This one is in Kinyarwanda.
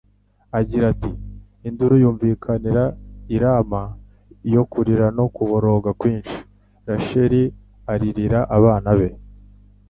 agira ati: "Induru yumvikanira i Rama yo kurira no kuboroga kwinshi. Rasheli aririra abana be,